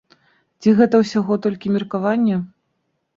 Ці гэта ўсяго толькі меркаванне?